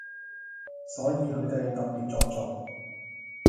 所以佢哋特別作狀⠀